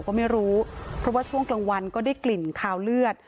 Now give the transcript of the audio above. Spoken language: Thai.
ก็ไม่รู้เพราะว่าช่วงกลางวันก็ได้กลิ่นคาวเลือด